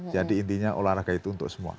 jadi intinya olahraga itu untuk semua